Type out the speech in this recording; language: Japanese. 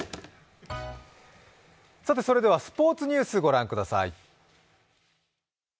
それではスポ−ツニュース、御覧ください。